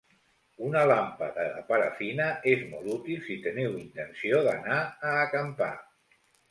Una làmpada de parafina és molt útil si teniu intenció d'anar a acampar.